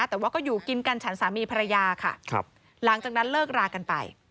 แต่ว่าก็อยู่กินกันฉันสามีภรรยาค่ะครับหลังจากนั้นเลิกรากันไป